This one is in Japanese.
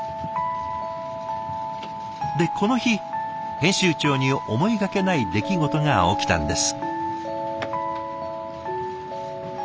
でこの日編集長に思いがけない出来事が起きたんです。